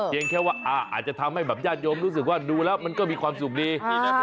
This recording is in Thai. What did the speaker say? แค่ว่าอาจจะทำให้แบบญาติโยมรู้สึกว่าดูแล้วมันก็มีความสุขดี